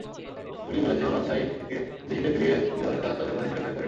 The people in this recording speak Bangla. পুলিশ বলেছে, ওমানথাই থেকে বিদেশিদের ফিরিয়ে দেওয়ার কাজ তাদের বাহিনীর লোকেরা করেনি।